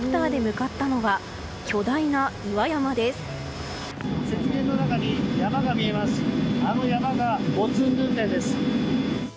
あの山がボツンヌーテンです。